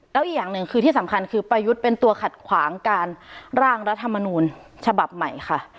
แล้วอีกอย่างหนึ่งคือที่สำคัญคือประยุทธ์เป็นตัวขัดขวางการร่างรัฐมนูลฉบับใหม่ค่ะ